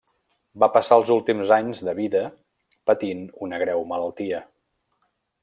Va passar els últims anys de vida patint una greu malaltia.